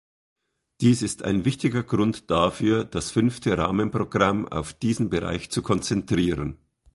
Dies ist ein wichtiger Grund dafür, das fünfte Rahmenprogramm auf diesen Bereich zu konzentrieren.